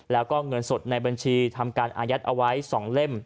แล้วก็เงินสดในบัญชีทำการอายัดเอาไว้๒เล่ม